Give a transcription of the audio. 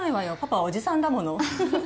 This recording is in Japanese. パパはおじさんだもの。